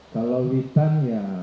ya itulah witan